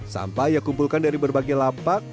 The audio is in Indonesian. sampah ia kumpulkan dari berbagai lapak